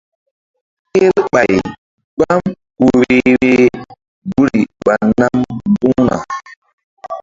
Kerɓay gbam ku vbe-vbeh guri ɓa nam mbu̧h na.